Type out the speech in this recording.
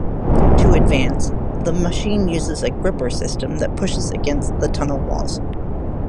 To advance, the machine uses a gripper system that pushes against the tunnel walls.